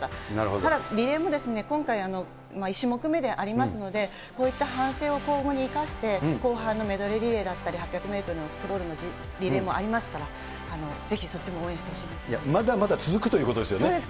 ただ、リレーも今回、１種目目でありますので、こういった反省を今後に生かして、後半のメドレーリレーだったり、８００メートルのクロールのリレーもありますから、ぜひそっちも応援してほしいまだまだ続くということですそうです。